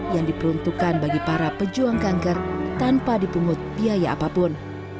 yang diperuntukkan bagi para pejuang kanker tanpa dipungut biaya apapun